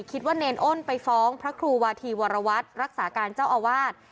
เนรอ้นไปฟ้องพระครูวาธีวรวัตรรักษาการเจ้าอาวาส